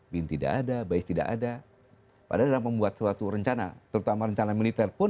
bin tidak ada bais tidak ada padahal dalam membuat suatu rencana terutama rencana militer pun